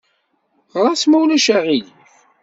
Ɣer-as, ma ulac aɣilif.